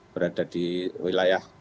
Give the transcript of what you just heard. berada di wilayah